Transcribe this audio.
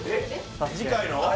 次回の？